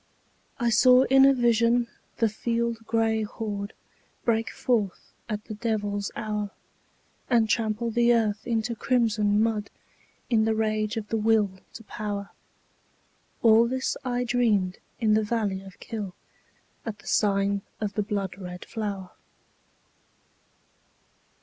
I saw in a vision the field gray horde Break forth at the devil's hour, And trample the earth into crimson mud In the rage of the Will to Power, All this I dreamed in the valley of Kyll, At the sign of the blood red flower.